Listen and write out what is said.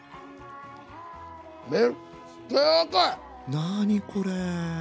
何これ？